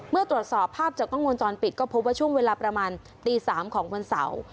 เมื่อตรวจสอบภาพจากกล้องวงจรปิดก็พบว่าช่วงเวลาประมาณตี๓ของวันเสาร์